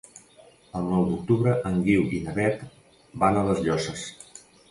El nou d'octubre en Guiu i na Beth van a les Llosses.